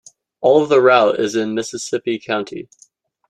All of the route is in Mississippi County.